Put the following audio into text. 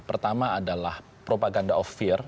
pertama adalah propaganda of fear